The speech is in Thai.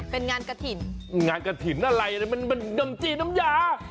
เป็นงานกระถิ่นงานกระถิ่นอะไรมันมันดมจีนน้ำยา